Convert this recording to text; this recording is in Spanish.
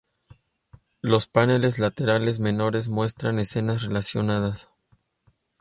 Los paneles laterales menores muestran escenas relacionadas.